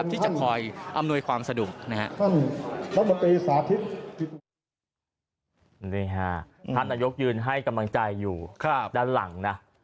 นี่ค่ะท่านนายกยืนให้กำลังใจอยู่ด้านหลังนะ